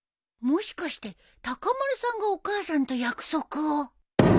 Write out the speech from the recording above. もしかして高丸さんがお母さんと約束を